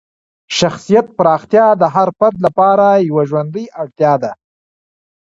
شخصیت پراختیا د هر فرد لپاره یوه ژوندۍ اړتیا ده.